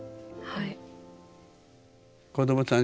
はい。